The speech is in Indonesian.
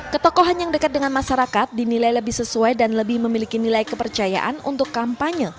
ketokohan yang dekat dengan masyarakat dinilai lebih sesuai dan lebih memiliki nilai kepercayaan untuk kampanye